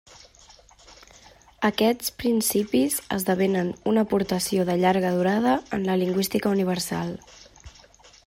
Aquests principis esdevenen una aportació de llarga durada en la lingüística universal.